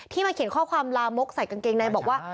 มาเขียนข้อความลามกใส่กางเกงในบอกว่า